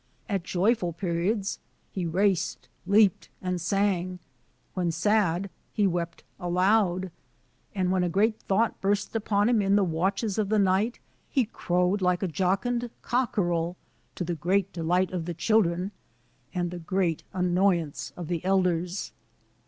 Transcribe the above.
At joyful periods, he raced, leaped, and sang; when sad, he wept aloud; and when a great thought burst upon him in tlie watches of the night, he crowed like a jocund cockerel, to the great delight of the children and the great annoyance of the elders.